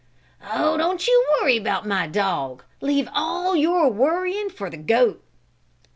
"Oh, don't you worry about my dog. Leave all your worrying for the goat."